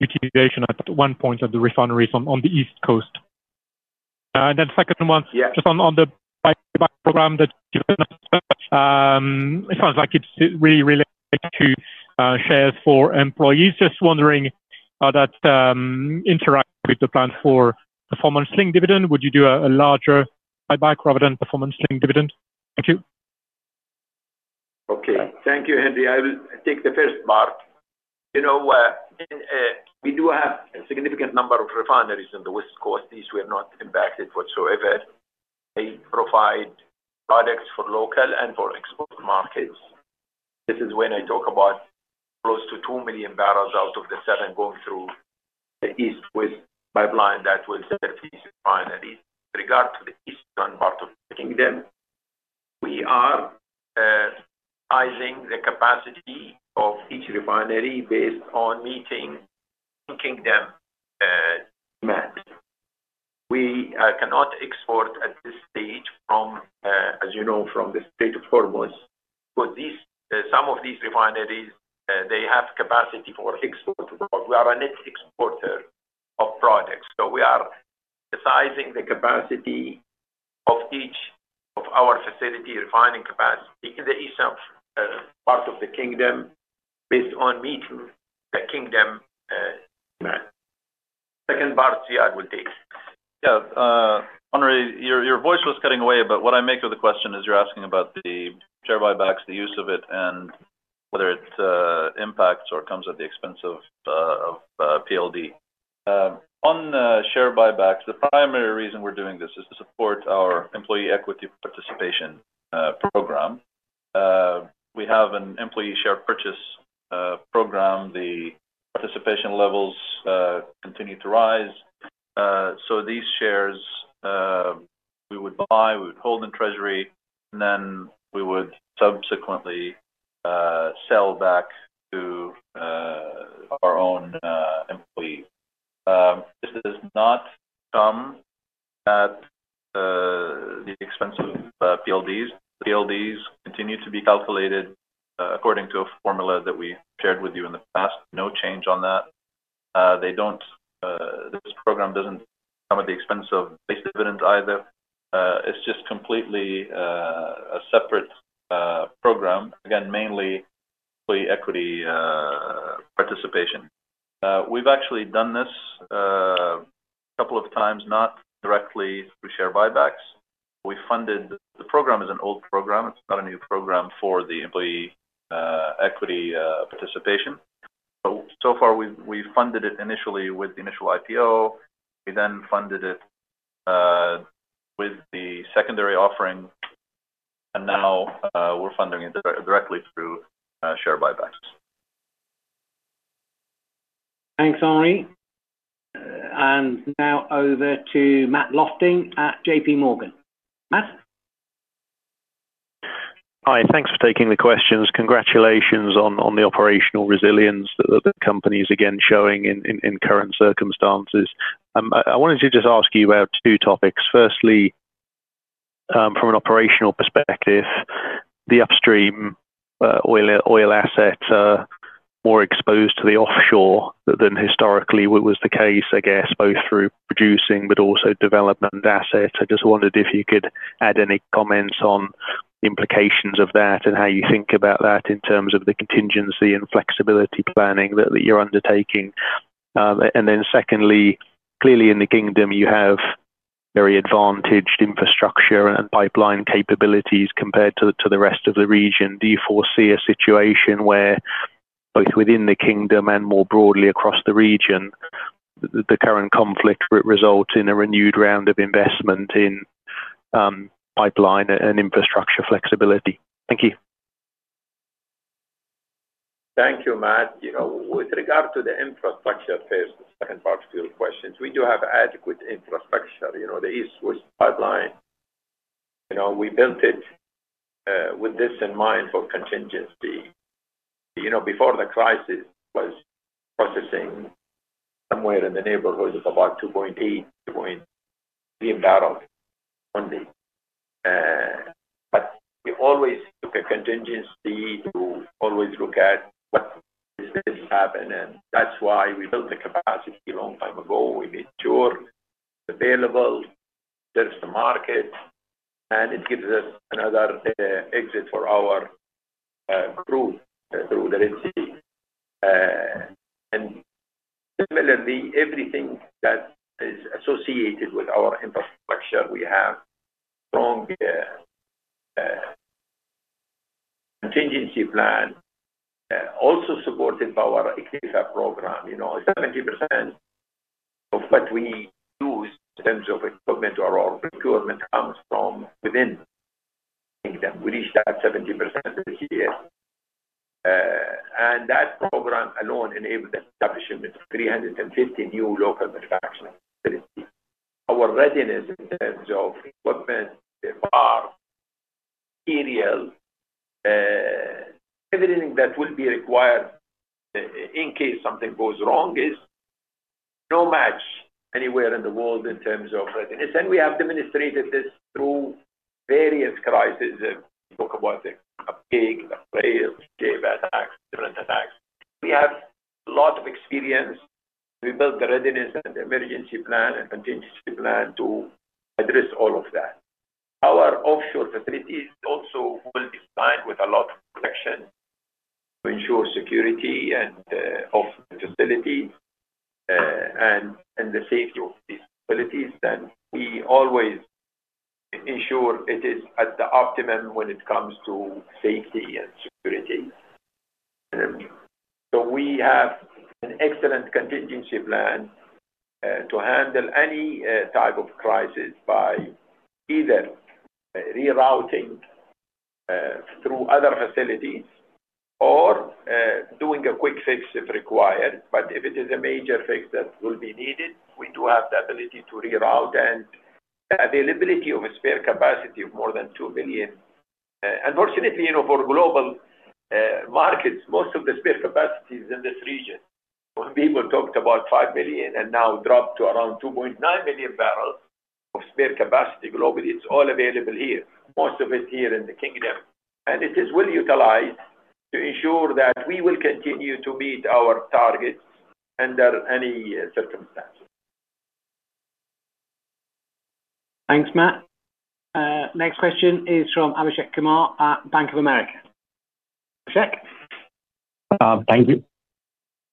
utilization at one point of the refineries on the East Coast? Second one. Yeah. Just on the buyback program. It sounds like it's really tied to shares for employees. Just wondering how that interacts with the plan for performance-linked dividend. Would you do a larger buyback rather than performance-linked dividend? Thank you. Okay. Thank you, Henri. I will take the first part. You know, in, we do have a significant number of refineries on the West Coast. These were not impacted whatsoever. They provide products for local and for export markets. This is when I talk about close to 2 million barrels out of the 7 million barrels going through the East-West Pipeline that will serve these refineries. With regard to the eastern part of the Kingdom, we are sizing the capacity of each refinery based on meeting kingdom demand. We cannot export at this stage from, as you know, from the Strait of Hormuz. But these, some of these refineries, they have capacity for export. We are a net exporter of products, so we are sizing the capacity of each of our facility refining capacity in the eastern part of the Kingdom based on meeting the Kingdom's demand. Second part, see I would take. Yeah. Henri, your voice was cutting away, but what I make of the question is you're asking about the share buybacks, the use of it, and whether it impacts or comes at the expense of PLD. On the share buybacks, the primary reason we're doing this is to support our employee equity participation program. We have an employee share purchase program. The participation levels continue to rise. These shares we would buy, we would hold in treasury, and then we would subsequently sell back to our own employees. This does not come at the expense of PLDs. PLDs continue to be calculated according to a formula that we shared with you in the past. No change on that. They don't—this program doesn't come at the expense of base dividends either. It's just completely a separate program, again, mainly employee equity participation. We've actually done this a couple of times, not directly through share buybacks. The program is an old program. It's not a new program for the employee equity participation. So far, we've funded it initially with the initial IPO. We then funded it with the secondary offering, and now, we're funding it directly through share buybacks. Thanks, Henri. Now over to Matt Lofting at JPMorgan. Matt? Hi. Thanks for taking the questions. Congratulations on the operational resilience that the company is again showing in current circumstances. I wanted to just ask you about two topics. Firstly, from an operational perspective, the upstream oil assets are more exposed to the offshore than historically was the case, I guess, both through producing but also development assets. I just wondered if you could add any comments on implications of that and how you think about that in terms of the contingency and flexibility planning that you're undertaking. Secondly, clearly in the Kingdom you have very advantaged infrastructure and pipeline capabilities compared to the rest of the region. Do you foresee a situation where both within the Kingdom and more broadly across the region, the current conflict results in a renewed round of investment in pipeline and infrastructure flexibility? Thank you. Thank you, Matt. You know, with regard to the infrastructure first, the second part of your questions, we do have adequate infrastructure. You know, the East-West Pipeline, you know, we built it with this in mind for contingency. You know, before the crisis was processing somewhere in the neighborhood of about 2.8MMbpd-2.3 MMbpd. We always took a contingency to always look at what if this happen, and that's why we built the capacity a long time ago. We made sure it's available, there is the market, and it gives us another exit for our crude through the Red Sea. Similarly, everything that is associated with our infrastructure, we have strong contingency plan also supported by our iktva program. You know, 70% of what we use in terms of equipment or our procurement comes from within the Kingdom. We reached that 70% this year. That program alone enabled the establishment of 350 new local manufacturing facilities. Our readiness in terms of equipment, subsea, aerial, everything that will be required in case something goes wrong is no match anywhere in the world in terms of readiness. We have demonstrated this through various crises. You talk about the Hajj, the plagues, Abqaiq attacks, different attacks. We have a lot of experience. We built the readiness and emergency plan and contingency plan to address all of that. Our offshore facilities also well designed with a lot of protection to ensure security and safety of the facility and the safety of these facilities. We always ensure it is at the optimum when it comes to safety and security. So we have an excellent contingency plan to handle any type of crisis by either rerouting through other facilities or doing a quick fix if required. But if it is a major fix that will be needed, we do have the ability to reroute and the availability of a spare capacity of more than 2 billion. And fortunately, you know, for global markets, most of the spare capacity is in this region. When people talked about 5 billion and now dropped to around 2.9 million barrels of spare capacity globally, it's all available here. Most of it here in the Kingdom. It is well utilized to ensure that we will continue to meet our targets under any circumstances. Thanks, Matt. Next question is from Abhishek Kumar at Bank of America. Abhishek? Thank you.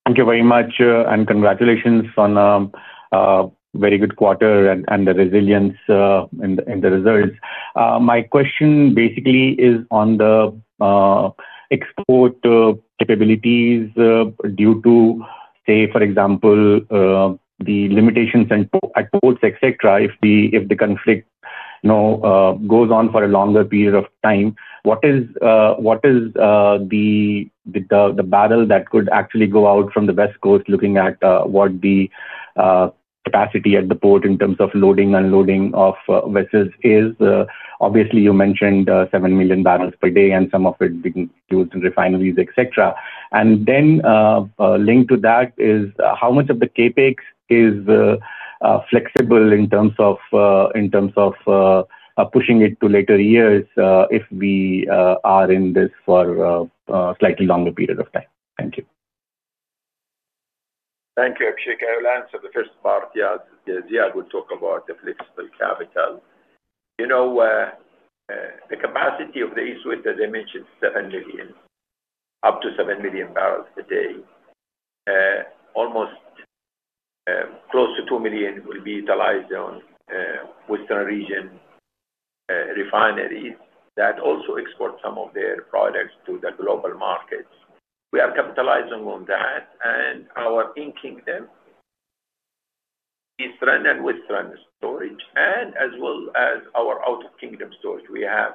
Thank you very much, and congratulations on a very good quarter and the resilience and the results. My question basically is on the export capabilities due to, say for example, the limitations and at ports, et cetera, if the conflict, you know, goes on for a longer period of time. What is the barrel that could actually go out from the West Coast looking at what the capacity at the port in terms of loading, unloading of vessels is? Obviously you mentioned 7 MMbpd, and some of it being used in refineries, et cetera. Linked to that is how much of the CapEx is flexible in terms of pushing it to later years if we are in this for a slightly longer period of time? Thank you. Thank you, Abhishek. I will answer the first part. Ziad will talk about the flexible capital. You know, the capacity of the East-West Pipeline, as I mentioned, 7 million. Up to 7 MMbpd. Almost, close to 2 million will be utilized on western region refineries that also export some of their products to the global markets. We are capitalizing on that and our in-kingdom eastern and western storage, and as well as our out-of-kingdom storage. We have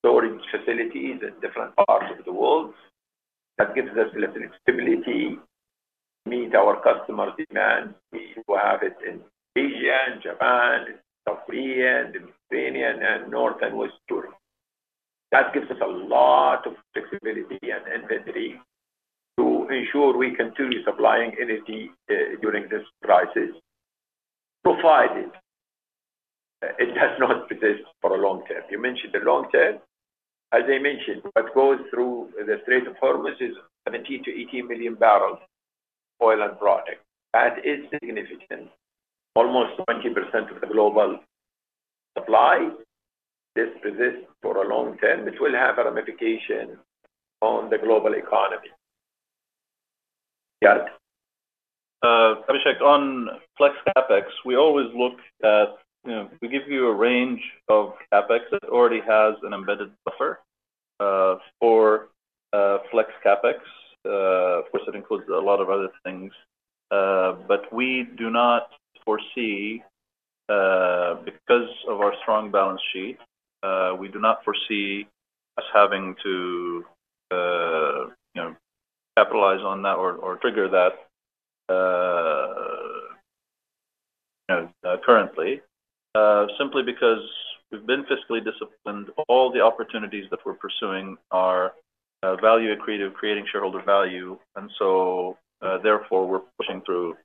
storage facilities in different parts of the world that gives us a little flexibility, meet our customer demand. We have it in Asia, in Japan, in South Korea, and in Spain, and North and West Europe. That gives us a lot of flexibility and inventory to ensure we continue supplying energy during this crisis, provided it does not persist for a long term. You mentioned the long term. As I mentioned, what goes through the Strait of Hormuz is 70 million-80 million barrels of oil and product. That is significant. Almost 20% of the global supply. This persists for a long term, which will have a ramification on the global economy. Ziad? Abhishek, on flex CapEx, we always look at, you know, we give you a range of CapEx that already has an embedded buffer for flex CapEx. Of course, it includes a lot of other things. We do not foresee, because of our strong balance sheet, we do not foresee us having to, you know, capitalize on that or trigger that, you know, currently. Simply because we've been fiscally disciplined. All the opportunities that we're pursuing are value accretive, creating shareholder value. Therefore, we're pushing through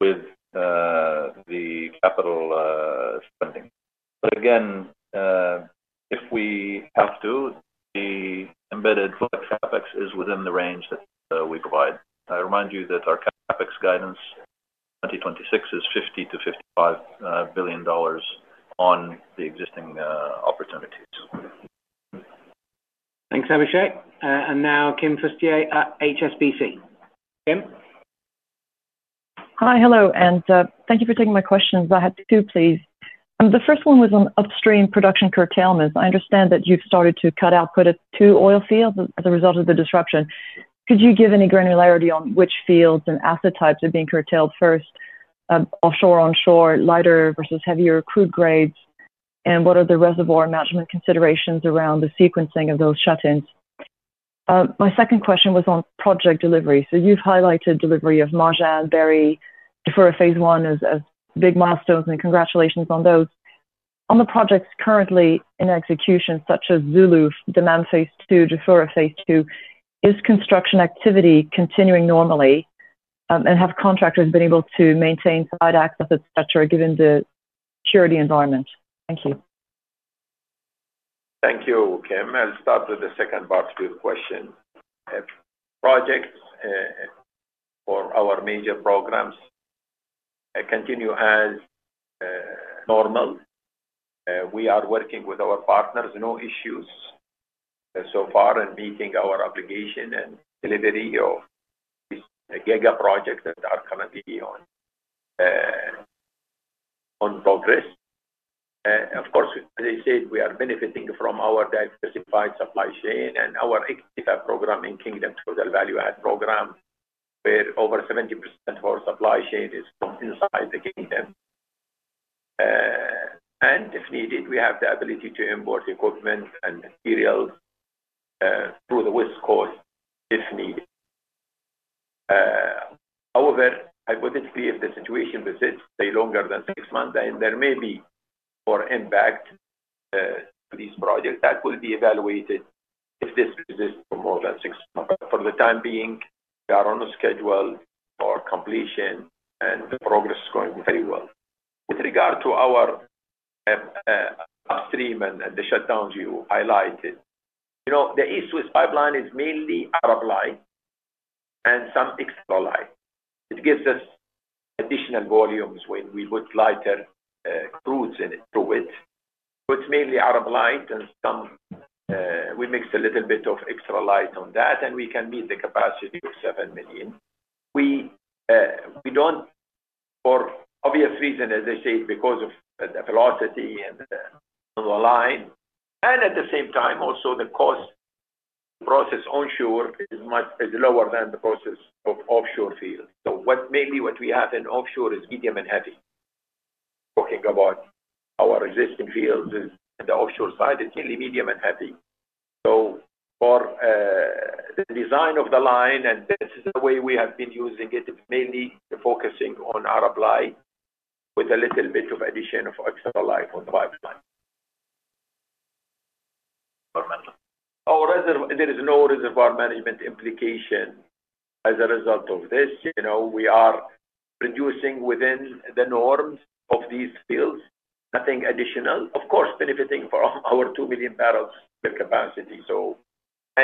with the capital spending. Again, if we have to, the embedded flex CapEx is within the range that we provide. I remind you that our CapEx guidance 2026 is $50 billion-$55 billion on the existing opportunities. Thanks, Abhishek. Now Kim Fustier at HSBC. Kim? Hi. Hello, and thank you for taking my questions. I had two, please. The first one was on upstream production curtailment. I understand that you've started to cut output at two oil fields as a result of the disruption. Could you give any granularity on which fields and asset types are being curtailed first? Offshore, onshore, lighter versus heavier crude grades? And what are the reservoir management considerations around the sequencing of those shut-ins? My second question was on project delivery. You've highlighted delivery of Marjan, Berri, Jafurah Phase 1 as big milestones, and congratulations on those. On the projects currently in execution, such as Zuluf, Dammam Phase 2, Jafurah Phase 2, is construction activity continuing normally? And have contractors been able to maintain site access, et cetera, given the security environment? Thank you. Thank you, Kim. I'll start with the second part of your question. Projects for our major programs continue as normal. We are working with our partners. No issues so far in meeting our obligation and delivery of these mega projects that are currently in progress. Of course, as I said, we are benefiting from our diversified supply chain and our iktva program In-Kingdom Total Value Add program, where over 70% of our supply chain is from inside the Kingdom. If needed, we have the ability to import equipment and materials through the West Coast if needed. However, hypothetically, if the situation persists, say, longer than six months, then there may be more impact to these projects. That will be evaluated if this persists for more than six months. For the time being, we are on schedule for completion, and progress is going very well. With regard to our upstream and the shutdowns you highlighted. You know, the East-West Pipeline is mainly Arab Light and some Extra Light. It gives us additional volumes when we put lighter crudes in it through it. But mainly Arab Light and some, we mixed a little bit of Extra Light on that, and we can meet the capacity of 7 million. We don't, for obvious reasons, as I said, because of the velocity and the line. At the same time also the cost process onshore is much is lower than the process of offshore fields. Mainly what we have in offshore is Medium and Heavy. Talking about our existing fields is, in the offshore side is mainly Medium and Heavy. For the design of the line, and this is the way we have been using it, is mainly focusing on Arab Light with a little bit of addition of Extra Light on the pipeline. There is no reservoir management implication as a result of this. You know, we are producing within the norms of these fields. Nothing additional. Of course, benefiting from our 2 million barrels per capacity.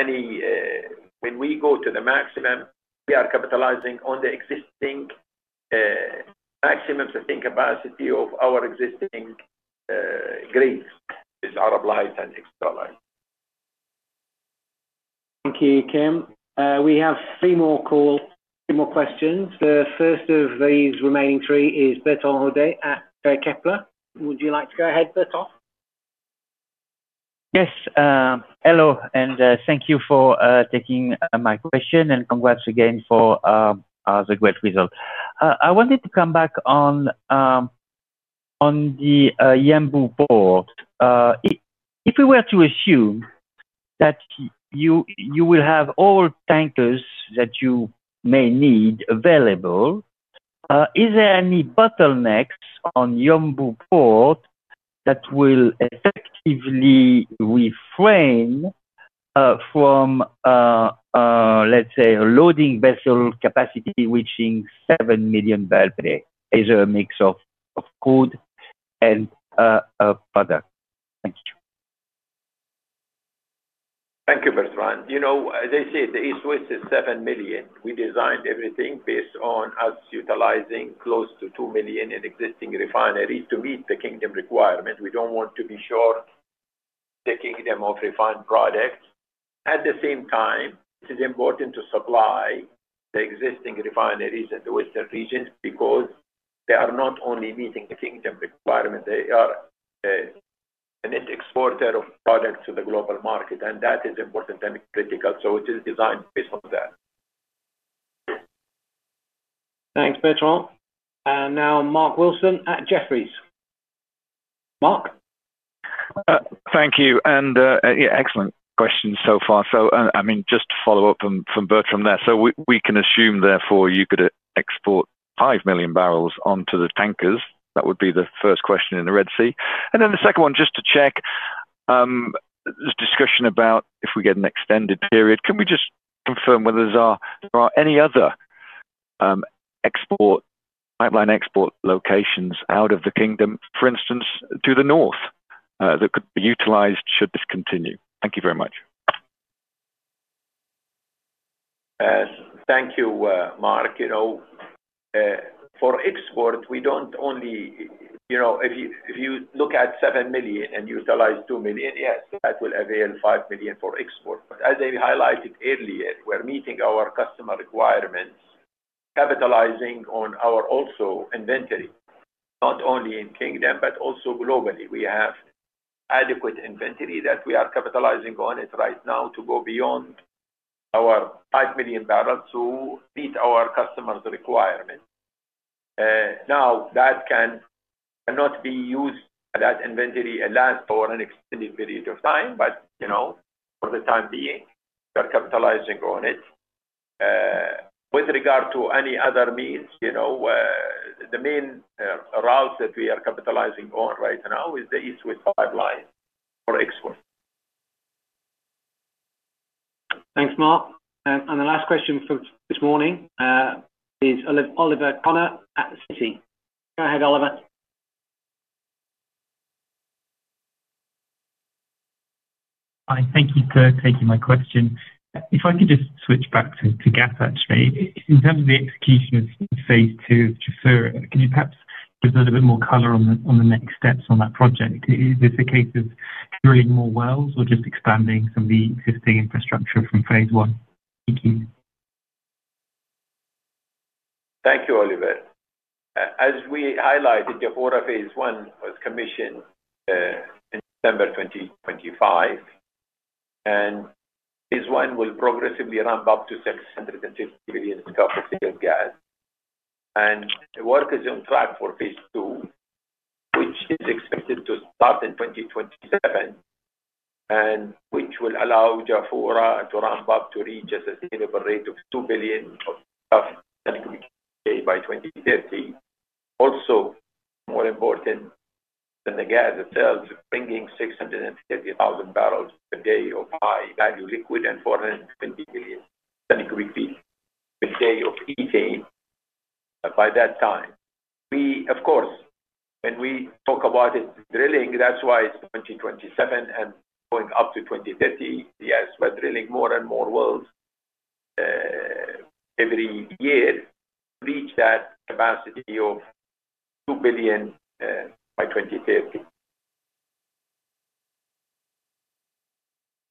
Any—when we go to the maximum, we are capitalizing on the existing maximum, I think, capacity of our existing grades is Arab Light and Extra Light. Thank you, Kim. We have three more questions. The first of these remaining three is Bertrand Hodée at Kepler. Would you like to go ahead, Bertrand? Yes. Hello, and thank you for taking my question, and congrats again for the great result. I wanted to come back on the Yanbu port. If we were to assume that you will have all tankers that you may need available, is there any bottlenecks on Yanbu port that will effectively refrain from let's say, a loading vessel capacity reaching 7 MMbpd as a mix of crude and product? Thank you. Thank you, Bertrand. You know, as I said, the East-West is 7 million. We designed everything based on us utilizing close to 2 million in existing refineries to meet the Kingdom requirement. We don't want to be short the Kingdom of refined products. At the same time, it is important to supply the existing refineries in the Western region because they are not only meeting the Kingdom requirement, they are a net exporter of products to the global market, and that is important and critical. It is designed based on that. Thanks, Bertrand. Now Mark Wilson at Jefferies. Mark? Thank you. Yeah, excellent questions so far. I mean, just to follow up from Bertrand there. We can assume therefore you could export 5 million barrels onto the tankers. That would be the first question in the Red Sea. The second one, just to check, there's discussion about if we get an extended period. Can we just confirm whether there are any other export, pipeline export locations out of the Kingdom, for instance, to the north, that could be utilized should this continue? Thank you very much. Yes. Thank you, Mark. You know, for export, we don't only. You know, if you look at 7 million and utilize 2 million, yes, that will avail 5 million for export. As I highlighted earlier, we're meeting our customer requirements, capitalizing also on our inventory, not only in the Kingdom, but also globally. We have adequate inventory that we are capitalizing on it right now to go beyond our 5 million barrels to meet our customers' requirement. Now that cannot be used, that inventory last for an extended period of time, but, you know, for the time being, we are capitalizing on it. With regard to any other means, you know, the main route that we are capitalizing on right now is the East-West Pipeline for export. Thanks, Mark. The last question for this morning is Oliver Connor at Citi. Go ahead, Oliver. Hi. Thank you for taking my question. If I could just switch back to gas, actually. In terms of the execution of Phase 2 of Jafurah, can you perhaps give us a little bit more color on the next steps on that project? Is this a case of drilling more wells or just expanding some of the existing infrastructure from Phase 1? Thank you. Thank you, Oliver. As we highlighted, Jafurah Phase 1 was commissioned in December 2025. Phase 1 will progressively ramp up to 650 billion cu ft of gas. The work is on track for Phase 2, which is expected to start in 2027, and which will allow Jafurah to ramp up to reach a sustainable rate of 2 billion cu ft of gas per day by 2030. Also, more important than the gas itself, bringing 650,000 barrels per day of high-value liquid and 450 billion scfd of ethane by that time. We, of course, when we talk about the drilling, that's why it's 2027 and going up to 2030. Yes, we're drilling more and more wells every year to reach that capacity of 2 billion by 2030.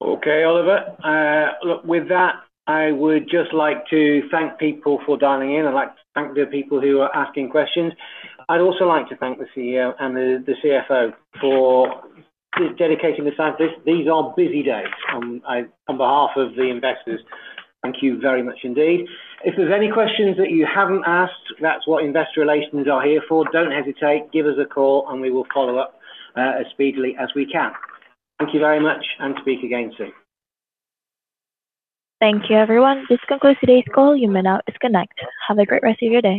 Okay, Oliver. Look, with that, I would just like to thank people for dialing in. I'd like to thank the people who are asking questions. I'd also like to thank the CEO and the CFO for dedicating this time. These are busy days. On behalf of the investors, thank you very much indeed. If there's any questions that you haven't asked, that's what investor relations are here for. Don't hesitate. Give us a call and we will follow up as speedily as we can. Thank you very much, and speak again soon. Thank you, everyone. This concludes today's call. You may now disconnect. Have a great rest of your day.